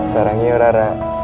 sarangha ya lara